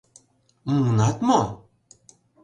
Муынат мо?